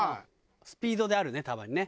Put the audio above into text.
スピードであるねたまにね。